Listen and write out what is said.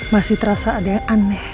masih terasa ada yang aneh